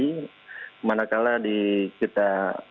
jadi manakala di kita